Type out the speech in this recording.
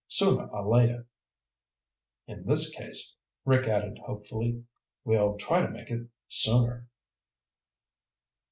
Sooner or later." "In this case," Rick added hopefully, "we'll try to make it sooner."